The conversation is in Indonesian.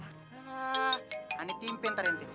hah aneh timpen tari antik